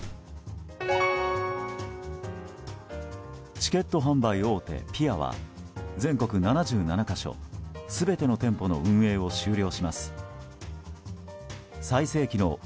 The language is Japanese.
チケット販売大手ぴあは全国７７か所全ての店舗の運営を終了します。